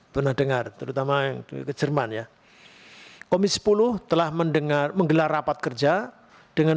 pernah dengar terutama yang ke jerman ya komisi sepuluh telah mendengar menggelar rapat kerja dengan